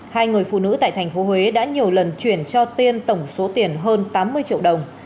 hai người phụ nữ tại tp huế đã nhiều lần chuyển cho tiên tổng số tiền hơn tám mươi triệu đồng